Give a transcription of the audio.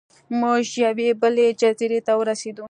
موږ یوې بلې جزیرې ته ورسیدو.